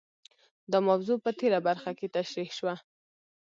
دا موضوع په تېره برخه کې تشرېح شوه.